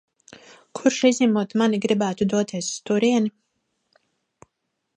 Kurš, izņemot mani, gribētu doties uz turieni?